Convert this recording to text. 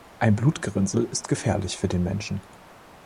Ein Blutgerinnsel ist gefährlich für den Menschen.